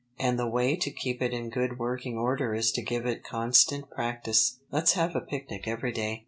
And the way to keep it in good working order is to give it constant practice. Let's have a picnic every day."